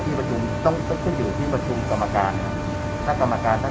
ที่จุดตรวจต่างหรือโมดเรลเราจะทำยังไงกัน